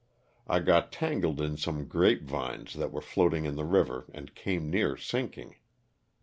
I got tangled in some grape vines that were floating in the river and came near sinking.